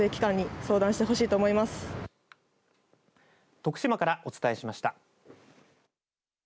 徳島からお伝えしました。